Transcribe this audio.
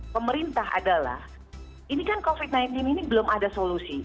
pemerintah adalah ini kan covid sembilan belas ini belum ada solusi